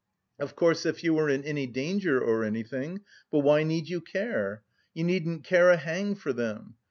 Of course if you were in any danger or anything, but why need you care? You needn't care a hang for them.